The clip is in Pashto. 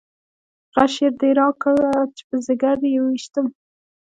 غشی دې راکړه چې په ځګر یې وویشتم.